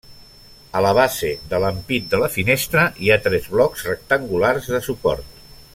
A la base de l'ampit de la finestra hi ha tres blocs rectangulars de suport.